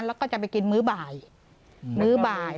แล้วก็จะไปกินมื้อบ่าย